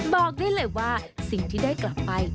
บอกได้เลยว่าสิ่งที่ได้กลับไป